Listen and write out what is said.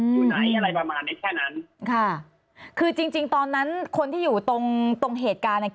อยู่ไหนอะไรประมาณนี้แค่นั้นค่ะคือจริงจริงตอนนั้นคนที่อยู่ตรงตรงเหตุการณ์เนี้ย